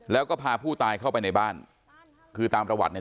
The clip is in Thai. แล้วก็พาผู้ตายเข้าไปในบ้านคือตามประวัติเนี่ย